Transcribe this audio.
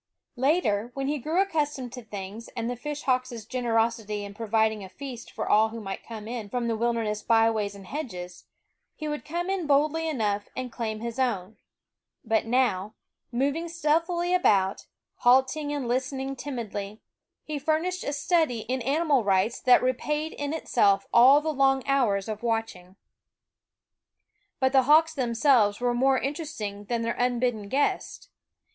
" Later, when he grew accustomed to things and the fishhawks' generosity in providing a feast for all who might come in from the wilderness byways and hedges, he would come in boldly enough and claim his own ; but now, moving stealthily about, halting and listening timidly, he fur nished a study in animal rights that repaid in itself all the long hours of watching. But the hawks themselves were more inter esting than their unbidden guests.